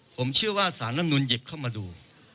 ผมเชื่อว่าสารรัฐมนุนหยิบเข้ามาดู